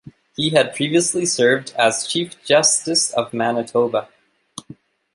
He had previously served as Chief Justice of Manitoba.